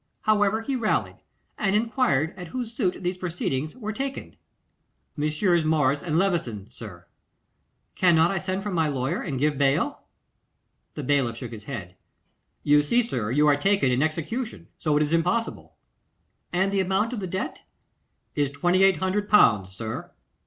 However, he rallied, and enquired at whose suit these proceedings were taken. 'Messrs. Morris and Levison, sir.' 'Cannot I send for my lawyer and give bail?' The bailiff shook his head. 'You see, sir, you are taken in execution, so it is impossible.' 'And the amount of the debt?' 'Is 2,800L., sir.